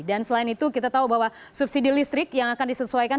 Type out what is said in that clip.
dan selain itu kita tahu bahwa subsidi listrik yang akan disesuaikan